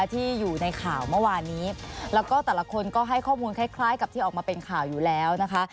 ที่อยู่ในข่าวเมื่อวานนี้แล้วก็แต่ละคนก็ให้ข้อมูลคล้ายกับที่ออกมาเป็นข่าวอยู่แล้วนะคะ